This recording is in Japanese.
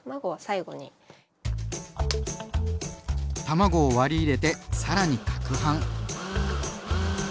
卵を割り入れて更にかくはん。